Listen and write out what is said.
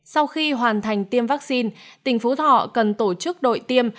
sau khi hoàn thành tiêm vaccine tỉnh phú thọ cần tổ chức đội tiêm